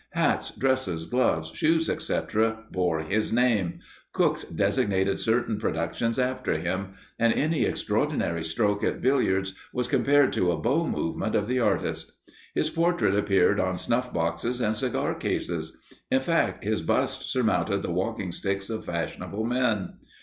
Hats, dresses, gloves, shoes, etc., bore his name. Cooks designated certain productions after him; and any extraordinary stroke at billiards was compared to a bow movement of the artist. His portrait appeared on snuff boxes and cigar cases; in fact, his bust surmounted the walking sticks of fashionable men.